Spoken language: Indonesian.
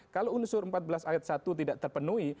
kalau unsur empat belas ayat satu tidak terpenuhi